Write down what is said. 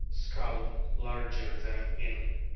Skull larger than in C.